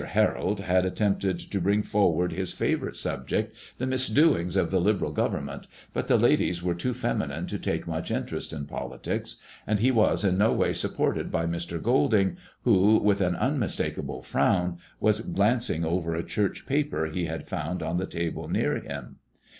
Harold had attempted to bring forward his favourite subject, the misdoings of the Liberal Government, but the ladies were too feminine to take much interest in politics, and he was in no way supported by Mr. Golding, who, with an unmistakable frown, was glan cing over a Church paper he had found on the table near him.